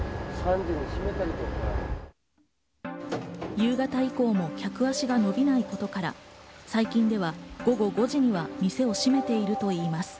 夕方以降も、客足が伸びないことから最近では午後５時には店を閉めているといいます。